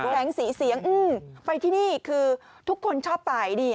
แสงสีเสียงไปที่นี่คือทุกคนชอบไปดิ